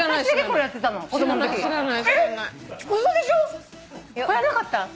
これやんなかった？